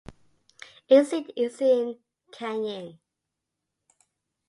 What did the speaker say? Its seat is in Cayenne.